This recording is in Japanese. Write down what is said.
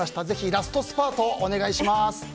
ぜひ、ラストスパートをお願いします。